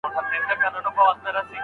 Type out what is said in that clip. صالحه میرمن د ایمان او تقوی لرونکې وي.